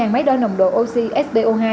một mươi năm máy đo nồng độ oxy spo hai